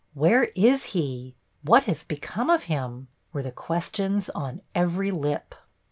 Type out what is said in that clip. "Where is he?" "What has become of him?" were the questions on every lip.